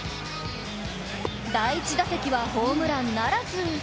第１打席はホームランならず。